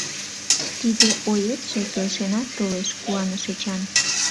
— Тиде оетше келшенат толеш, — куаныш Эчан.